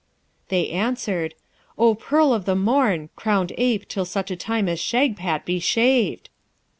They answered, 'O pearl of the morn, crowned ape till such time as Shagpat be shaved.'